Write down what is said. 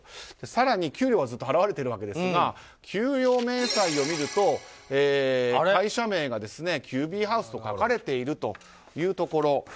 更に、給料はずっと払われているわけですが給与明細を見ると会社名がキュービーハウスと書かれているというところ。